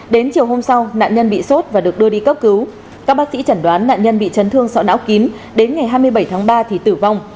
đến chiều hôm sau nạn nhân bị sốt và được đưa đi cấp cứu các bác sĩ chẩn đoán nạn nhân bị chấn thương sọ não kín đến ngày hai mươi bảy tháng ba thì tử vong